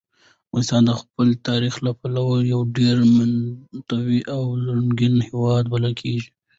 افغانستان د خپل تاریخ له پلوه یو ډېر متنوع او رنګین هېواد بلل کېږي.